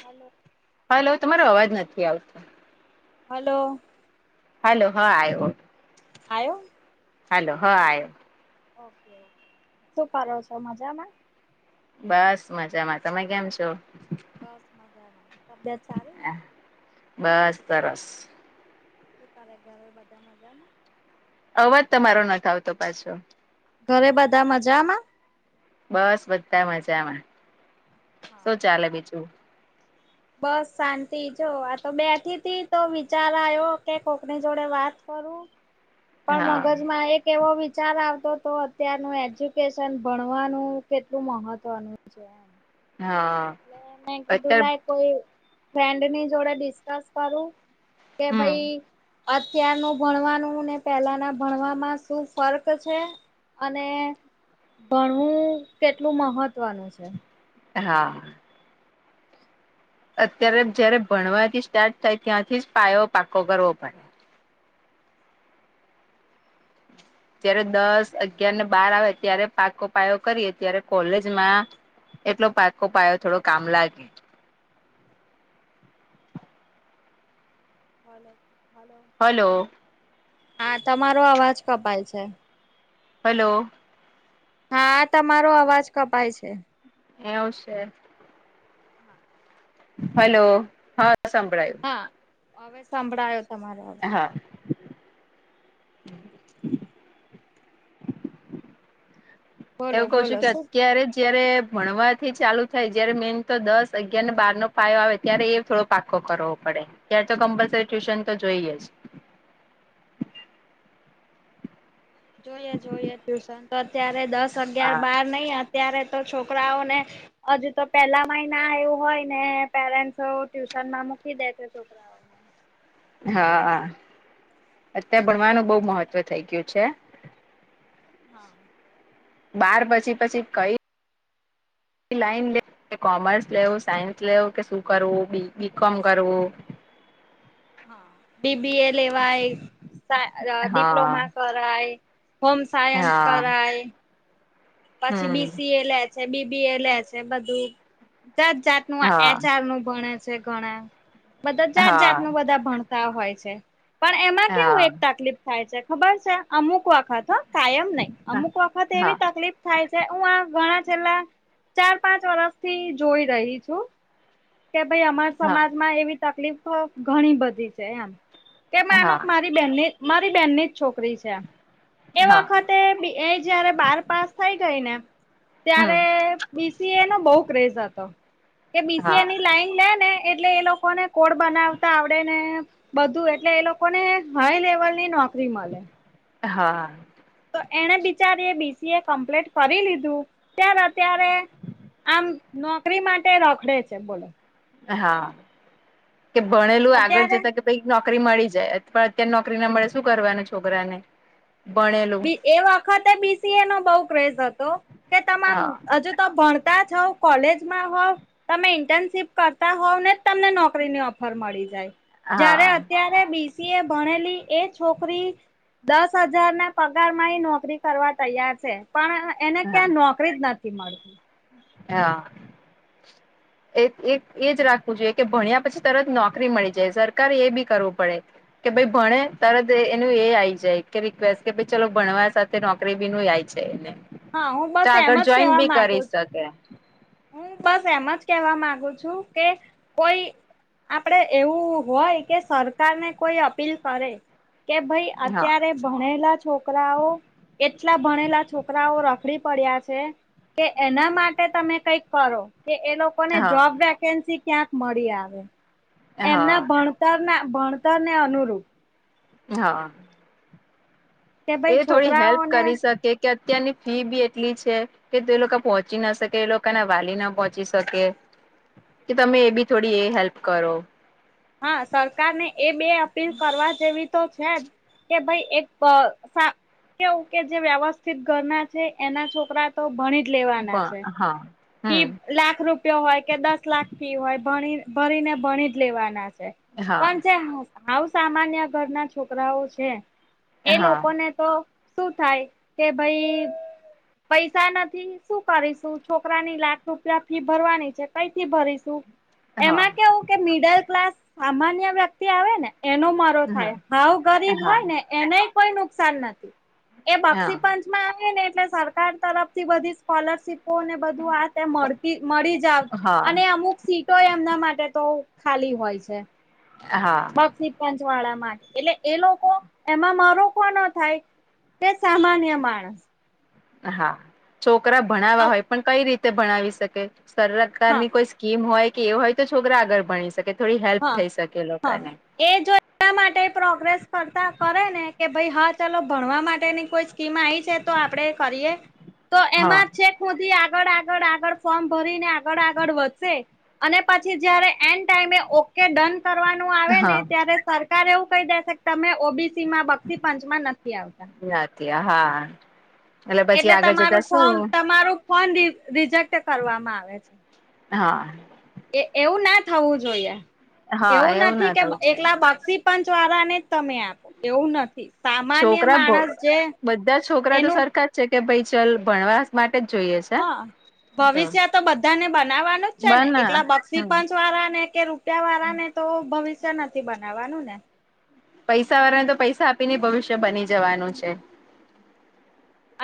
Hello હાલ હ તમારો અવાજ નથી આવતો હલો હલો હા આવ આવો આવ્યો ઓકે ઓકે ઓકે શું કરો છો મજામાં બસ મજામાં તમે કેમ છો બસ મજામાં તબિયત સારી ને બસ દરસ તું તારે ઘરે બધા મજા ને અવાજ તમારો ન આવતો પાછો ઘરે બધા મજામાં બસ બધા મજામાં હા શું ચાલે બીજું બસ શાંતિ જો આ તો બેઠી તો વિચાર આવ્યો કે કોકની જોડે વાત કરું પણ હા મગજમાં એક કેવો વિચાર આવતો તો અત્યારનું એજ્યુકેશન ભણવાનું કેટલું મહત્વનું છે હા એટ મે કીધું લ અત્યારે કોઈ ફન્ડની જોડે ડિસ્કસ કરું કે હમ ભાઈ અત્યારનું ભણવાનું ને પેલાના ભણવામાં શું ફર્ક છે અને ભણવું કેટલું મહત્વનું છે હા અત્યારે જયારે ભણવાથી સ્ટાર્ટ થાય ત્યાંથી જ પાયો પાકો કરવો પડે જયારે દસ અગિયાર ને બાર આવે ત્યારે પાકો પાયો કરીએ ત્યારે કોલેજમાં એટલો પાકો પાયો થોડો કામ લાગે ભલોો ભલોો હલો હા તમારો અવાજ કપાય છે હલો હા તમારો અવાજ કપાય છે એવું છે હલો હા સાંભળાયો હા હવે સંભળાયો તમારો અવાજ હા બોલો એવું કઉ છું બોલો કે શું અત્યારે જ જયારે ભણવાથી ચાલુ થાય જયારે મેન તો દસ અગયારને બાર નો પાયો આવે ત્યારે એ થોડો પાકો કરવો પડે તાર તો કમ્પલસરી ટ્યુશન તો જોઈએ જ જોઈએ જોઈએ ટ્યુશન તો અત્યારે દસ અગયાર હા બાર નહી અત્યારે તો છોકરાઓને હજુ તો પેલા માિ ના આવું હોય ને પેરેન્ટસ ટ્યુશન માં મૂકી દે છે છોકરા હા અત્યારે ભણવાનું બહ મહત્વ થઇ ગયું છે હા બાર પછી પછી કઈ એ લાઈન લે કોમર્સ લેવું સાયન્સ લેવું કે શું કરવું બી કોમ કરવું હા બીબી એ લેવાય હા ડિપ્લોમા કરાય હોમ સાયન્સ હા કરાય પછી હમ બીસી એ લે છે બીબી એ લે છે બધું જાત નું આ હા એચઆર નું ભણે છે ઘણા બધા જાત હા જાતનું બધા ભણતા હોય છે પણ એમાં કેવું એક હા તકલીફ થાય છે ખબર છે અમુક વખત કાયમ નહી અમુક વખત હા એવી તકલીફ થાય છે હું આ ઘણા છેલ્લા ચાર પાંચ વર્ષથી જોઈ રહી છું કે ભાઈ અમાર હા સમાજમાં એવી તકલીફ ઘણી બધી છે એમ કેમ આનો હા મા. મારી બેહેનની જ છોકરી છે એ હા વખાતે. એ જયારે બાર પાસ થઈ ગઈ ને હમ ત્યારે. બીસીએ નો બહુ ક્રેઝ હતો કે હા બીસીએની લાઈન લે ને એટલે એ લોકોને. કોડ બનાવતા આવડે ને બધું એટલે એ લોકોને હાઈ લેવલ ની નોકરી મળે. હા. તો એણે બિચારી બીસીએ કમ્પ્લીટ કરી લીધું. અત્યારે અત્યારે આમ નોકરી માટે રખડે છે બોલો. હા કે ભણેલું આગળ અત્યારે જતા કે. કઈ હા નોકરી મળી જાય પણ અત્યારે નોકરી ના મળે શું કરવાનું છોકરા ને ભણેલું. એ વખતે બીસીએ નો બઉ ક્રેઝ હતો કે તમે હા હજુ તો ભણતા છો. કોલેજમાં હોવ તમે ઇન્ટર્નશીપ કરતા હોવ ને તમને નોકરીની ઓફર મળી જાય. હા જયારે અત્યારે બીસી એ ભણેલી એ છોકરી દસ હજાર ના. પગાર માં નોકરી કરવા તૈયાર છે પણ એને હા ક્યાં નોકરીજ નથી મળતી. હા. [unintelligible] એક એક એજ રાખવું જોઈએ કે ભણ્યા પછી તરત નોકરી મળી જાય સરકારે એ બી કરવું પડે. કે ભાઈ ભણે તરત એનું એ આ આવી જાય કે રિકવેસ્ટ કેાઈ ચલો ભણવા સાથે. નોકરી બી ન જાય છે એને હા હું તો બસ એમ આગળ જ જોઈન કેવા બી માંગુ કરી છું શકે. હું બસ એમ જ કેહેવા મામાંગુ છું કે કોઈ. આપડે એવું હોય કે સરકારને કોઈ અપીલ કરે. કે ભાઈ હા અત્યારે. ભણેલા છોકરાઓ એટલા ભણેલા છોકરાઓ રખડી પડ્યા છે. કે એના માટે તમે. કઈક કરો કે એ લોકોને હા જોબ વેકેન્સી ક્યાંક મળી આવે. હા એમના ભણતર ના ભણતરને અનુરૂપ. હા. કે એ ભાઈ થોડી હેલ્પ છોકરાઓને કરી શકે કે અત્યારની ફી બી એટલી છે. કે તો એ લોકો પહોંચી ના શકે એ લોકોના વાલી ના પહોંચી શકે. કે તમે એ બી થોડી એ હેલ્પ કરો. હા સરકાર ને એ બે અપીલ કરવા જેવી તો છે જ. કે ભાઈ એક કેવું કે જે વ્યવસ્થિત ઘરના છે એના છોકરા. તો ભણીજ લેવાના છે. હા હા હમ લાખ રૂપિયો હોય કે દસ લાખ ફી હોય ભણી ભરીને ભણીજ લેવાના છે. હા પણ જે હ સામાન્ય ઘરના છોકરાઓ છે એ હા લોકોને. તો શું થાય કે ભાઈ. પૈસા નથી શું કરીશું છોકરાની લાખ રૂપિયા ફી ભરવાની છે કઈથી ભરીશું. હા એમાં કેવું કે મિડલ ક્લાસ સામાન્ય વ્યક્તિ આવેને એનો મ હા હા ભ ગરીબ હા હોય ને એને કોઈ નુકસાન નથી એ બક્ષી પંચ માં આવેને એટલે સરકાર તરફથી બધી સ્કોલરશીપ બુકો ને બધું આ મળતી મળી જાવ હા અને અમુક શીખી એમના માટે તો ખાલી હોય છે. હા. ની ટેન્થ વાળા માટે એટલે એ લોકો એમાં મારો કો ના થાય. તે સામાન્ય માણસ હા છોકરા ભણાવવા હોય પણ કઈ રીતે ભણાવી શકે હા સરકારની કોઈ કીમ હોય કે એ હોય તો છોકરા આગળ ભણી શકે થોડી હેલ્પ હા થઈ શકે એ હા. લોકોને એ જો એ માટે પ્રોગ્રેસ કરતા કરે ને કે ભાઈ હા ચલો ભણવા માટેની કોઈ સ્કીમ આઈ છે તો આપડે કરીએ તો હા એમાં છે સુધી આગળ આગળ આગળ ફોર્મ ભરી ને આગળ આગળ વધશે. અને પછી જયારે એન્ડ ટાઈમે ઓકે ડન કરવાનું આવે ને હા ત્યારે સરકાર એવું કહી દેશે તમે ઓબીસી માં બક્ષી પંચમાં નથી આવતા ની આવતી હા. પછી એટલે આગળ જતા તમારું ફોમ શું તમારું ફોન રિજેક્ટ કરવામાં આવે છે. હા. એ એવું ના થવું જોઈએ હા એવું નથી ના કે થવું છે એકલા બક્ષી પંચ વાળા ને જ તમે આપો એવું નથી થી પાપ છોકરા બધા છોકરા તો એનું સરખા જ છે કે ભાઈ ચલ ભણવા માટે જ જોઈએ છે. હા ભવિષ્ય તો બધાને બનાવવાનું જ છે ને બના એટલા બક્ષી હમ પંચ વાળા ને કે રૂપિયા વાળા ને તો ભવિષ્ય નથી બનાવાનું ને પૈસા વાળા ને તો પૈસા આપી ને ભવિષ્ય બની જવાનું છે.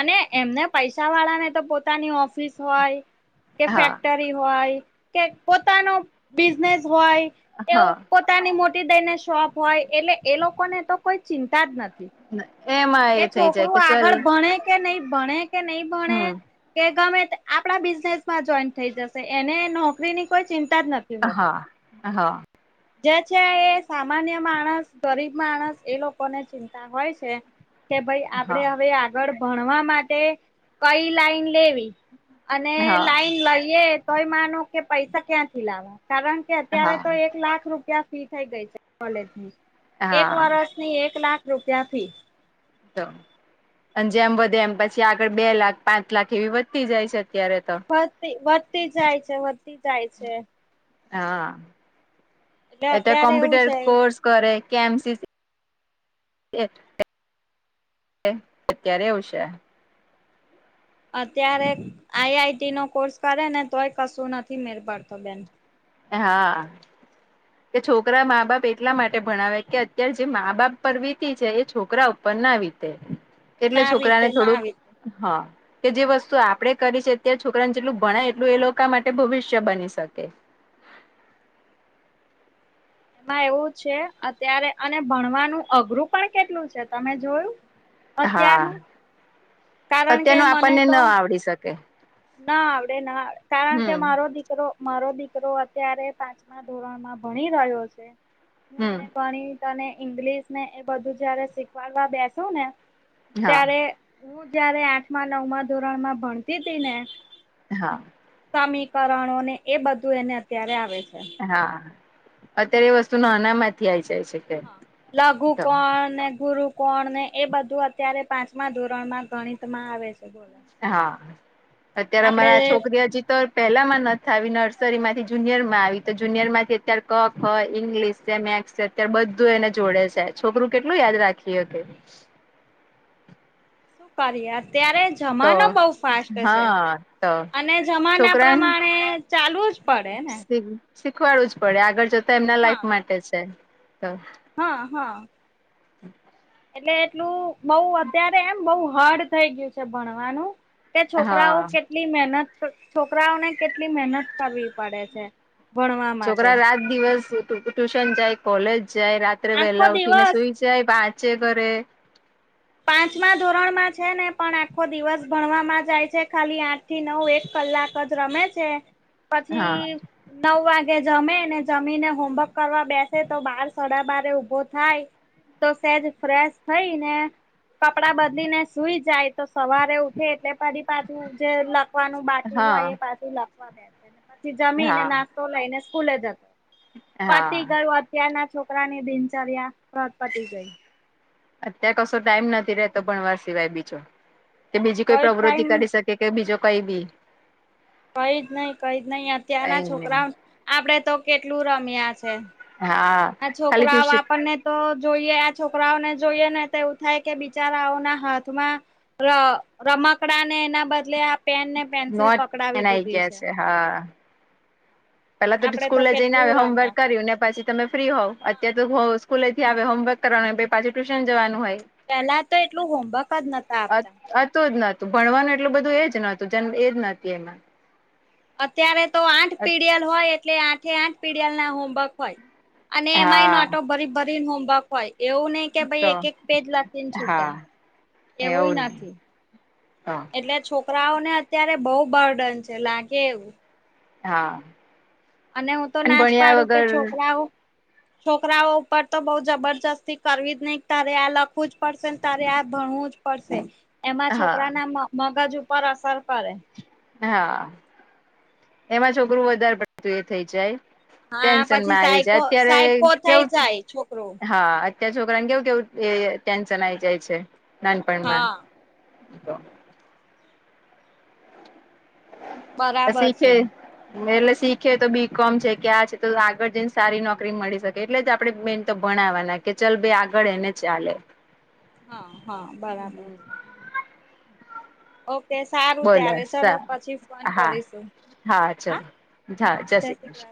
અને એમને પૈસા વાળાને તો પોતાની ઓફિસ હોય કે હા ફેક્ટરી રી હોય પોતાનો બિઝનેસ હોય એવુ હા પોતા પોતાની મોટી દઈ ને શોપ હોય એટલે એ લોકો ને તો કોઈ ચિંતા જ નથી. હે એમાં કે એ થઈ જાય છોકરું કે ચલ આગળ ભણે કે નહી ભણે કે નહી ભણે હમ કે ગમે આપડા બિઝનેસ માં જોઈન થઈ જશે એને નોકરીની કોઈ ચિંતા જ નથી. હોતી. હા હા. જે છે એ સામાન્ય માણસ ગરીબ માણસ એ લોકો ને ચિંતા હોય છે. કે ભાઈ હા આપણેે હવે આગળ ભણવા માટે કઈ લાઈન લેવી. અને લાઈન હા લઈએ તોય માનો કે પૈસા ક્યાંથી લાવવા કારણ અત્યારે હા તો એક લાખ રૂપિયા ફી થઈ ગઈ છે કોલેજ ની એક હા વરષ ની એક લાખ રૂપિયા ફી તો અને જેમ વધે એમ પછી આગળ બે લાખ પાંચ લાખ એવી વધતી જાય છે અત્યારે તો વધતી વધતી જાય છે વધતી જાય છે હા એટલે એ તો અત્યારે એવું કોમ્પ્યુટર છે. કોર્સ કર કે એમસીસી એ જ [inaudible] અત્યારે આવશે. અત્યારે આઈઆઈટી નો કોર્સ કરે ને તોય કશું નથી મેળ પડતો બેન હા. કે છોકરા મા બાપ એટલા માટે ભણાવે કે અત્યારે જે મા બાપ પરવીતિ છે એ છોકરા ઉપર ના વીતે એટલે ના આવી છોકરા રીતે ને ના થોડુંક આવી રીતે. હા. કે જે વસ્તુ આપડે કરી છે અત્યારે છોકરાને જેટલું ભણાય એટલું એ લોકો માટે ભવિષ્ય બની શકે. એમાં એવું છે અત્યારે અને ભણવાનું અઘરું પણ કેટલું છે તમે જોયું હા અત્યારનું કારણ કે અત્યારનું મને આપણને તો ન આવડી શકે ના આવડે ના આવડે કારણ કે હમ મારો દીકરો મારો દીકરો અત્યારે પાંચમા ધોરણમાં ભણી રહ્યો છે હું હમ એને ઘણી ને ઈંગ્લિશ ને એ બધું જયારે શીખવાડવા બેસો ને હા ત્યારે હું જયારે આઠમા નવમા ધોરણમાં ભણતી તી ને હા સમીકરણો ને એ બધું એને અત્યારે આવે છે હા અત્યારે એ વસ્તુ ના અનામાંતથી આઈ જાય છે કે હા લઘુ તો કોણને ગુરુ કોણ ને એ બધું અત્યારે પાંચમા ધોરણમાં ગણિત માં આવે છે બોલો હા અત્યારે આપડે અમારા છોકરી હજી તો પહેલામાં નથી આવી નર્સરી માંથી જુનિયરમાં આવી તો જુનિયર માંથી અત્યારે કક હોય ઇંગ્લિશ છે મેસ ત્યારે બધું એને જોડે છે છોકરું કેટલું યાદ રાખી હ કે શું કરીએ અત્યારે જ તો જમાનો બહુ ફાસ્ટ છે હા તો અને જમાના છોકરાને પ્રમાણે ચાલવું જ પડે ને શીખવાડું જ પડે આગળ જતા એમના હા. લાઈફ માટે છે તો હા હા [unintelligible] એટલે એટલું બઉ અત્યારે એમ બઉ હાર્ડ થઈ ગયું છે ભણવાનું તે છોકરાઓ હા કેટલી મહેનત છોકરાઓને કેટલી મહેનત કરવી પડે છે ભણવા માટે છોકરા રાત દિવસ ટ્યુશન જાય કોલેજ જાય રાત્રે આખો વહેલા ઉઠીને દિવસ સુઈ જે વાચે કરે પાંચમા ધોરણ માં છે ને પણ આખો દિવસ ભણવામાં જાય છે ખાલી આઠ થી નવ એક કલાક જ રમે છે હા પછી નવ વાગે જમે ને જમીને હોમવર્ક કરવા બેસે તો બાર સડા બારે ઉભો થાય તો સેજ ફ્રેશ થઈ ને કપડાં બદલીને સુૂઈ જાય તો સવારે ઉઠે એટલે પછ પાછું જે વાનું બાટી હા હોય એ પાછી લખવા દેશેને પછી હા જમીને હા નાસ્તો લઈને સ્કૂલે જતો પતિ ગયોું અત્યારના છોકરાની દિનચર્યાજ પતિ ગઈ અત્યારે કશો ટાઈમ નથી રતો ભણવાર સિવાય બીજો કે બીજી કોઈ પ્રવૃતિ કરી શકે કે કે બીજો કઈ બી કઈ જ નઈ કઈ નહીિ અત્યારના એને છોકરા આપડે તો કેટલું રમ્યા છે હા આ ખાલી છોકરો આવ ટ્યુશન આપણને તો જોઈએ આ છોકરાઓને જોઈએ ને તો એવું થાય કે બિચારાઓના હાથમાં ર રમકડા ને એના બદલે આ પેન ને પેન્સિલ નોટ એન પકડાવી આઈ દીધી ગયા છે હા પેલા તો આપડે સ્કૂલે જઈને કેટલું આવે હોમવર્ક રમ્યા કર્યું ને પછી તમે ફ્રી હોવ અત્યારે તો સ્કૂલે થી આવે હોમવર્ક કરવાનું હોય પાછી ટ્યુશન જવાનું હોય. પેલા તો એટલું હોમવર્ક જ નતા આપતા નુ જ નતું ભણવાનું એટલું બધું એજ નતું જે એજ નથી એમાં અત્યારે તો આઠ પીડીયલ હોય એટલે આઠે આઠ પીડીયલ ના હોમવર્ક હોય અને એમાંઈ નો હા આટો ભરી ભરીને હોમવર્ક હોય એવું નહ કે ભાઈ તો એક એક પેજ લીને છૂટા હા એવુંય નથી હા એટલે છોકરાઓને અત્યારે બહુ બર્ડન છે લાગે એવું હા અને હું તો નાચ ભણ્યા પાડું કે વગર છોકરાઓ છોકરાઓ ઉપર તો બઉ જબરજસ્તી કરવી જ નહી તારે આ લખવું જ પડશેને તારે આ ભણવું જ પડશે એમાં હા છોકરાના મગજ ઉપર અસર કરે. હા એમાં છોકરું વધારે પડતું એ થઈ જાય હા પછી ટેન્શનમાં આવી જાય સાયકો અત્યારે સાયકો થઈ કેવુ જાય છોકરું હા. ત્યાં છોકરા ને કેવું કેવું એ ટેન્શન આવી જાય છે નાનપણમાં હા. તો બરાબર શીખે છે કે એટલે શીખે તો બી કોમ છે ક્યાં છે તો આગળ જઈને સારી નોકરી મળી શકે એટલે જ આપડે મેન તો ભણવાના કે ચાલ ભાઈ આગળ એને ચાલે હા હા બરાબર. છે. ઓકે સારું બોલો ત્યારે ચલો પછી ફોન હા કરીશું હા ચલો. હા જય શ્રી કૃષ્ણ.